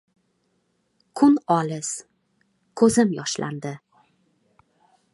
Kun olis ko‘zim yoshlandi.